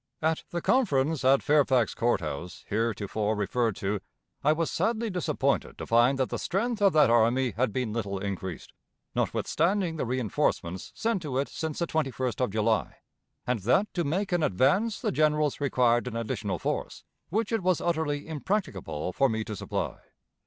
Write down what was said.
At the conference at Fairfax Court House, heretofore referred to, I was sadly disappointed to find that the strength of that army had been little increased, notwithstanding the reënforcements sent to it since the 21st of July, and that to make an advance the generals required an additional force, which it was utterly impracticable for me to supply.